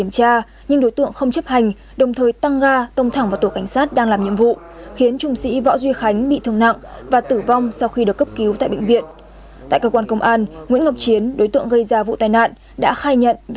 chào tạm biệt và hẹn gặp lại